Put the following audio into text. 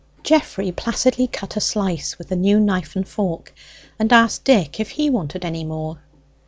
Geoffrey placidly cut a slice with the new knife and fork, and asked Dick if he wanted any more.